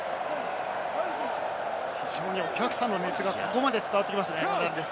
非常にお客さんの熱がここまで伝わってきますね。